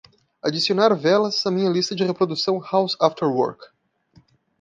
Adicionar velas à minha lista de reprodução House After Work.